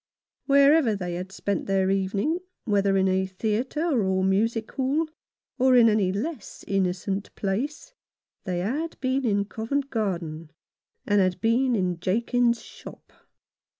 Wherever they had spent their evening, whether in a theatre or music hall, or any less innocent place, they had been in Covent Garden, and had been in Jakins's shop.